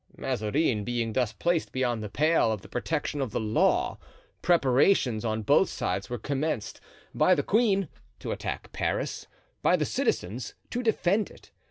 Mazarin being thus placed beyond the pale of the protection of the law, preparations on both sides were commenced—by the queen, to attack Paris, by the citizens, to defend it.